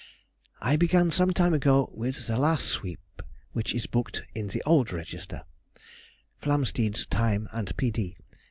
I began some time ago with the last sweep which is booked in the old register (Flamsteed's time and P.